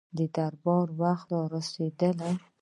د دربار وخت را ورسېدی.